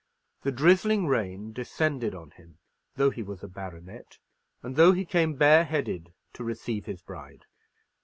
The drizzling rain descended on him, though he was a baronet, and though he came bareheaded to receive his bride.